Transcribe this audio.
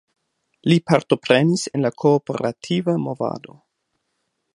Li partoprenis en la kooperativa movado.